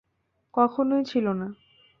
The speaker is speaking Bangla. কখনোই ছিলো না।